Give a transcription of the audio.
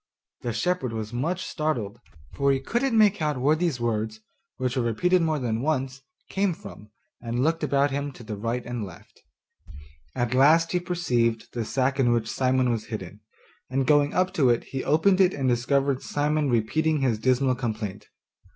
The shepherd was much startled, for he couldn't make out where these words, which were repeated more than once, came from, and looked about him to the right and left; at last he perceived the sack in which Simon was hidden, and going up to it he opened it and discovered Simon repeating his dismal complaint.